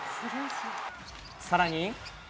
さらに。